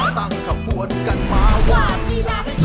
ต้นฉบับค่ะ